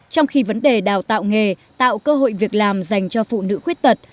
trong khi vấn đề đào tạo nghề tạo cơ hội việc làm dành cho phụ nữ khuyết tật